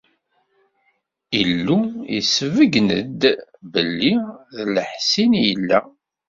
Illu yesbeyyen-d belli d leḥṣin i yella.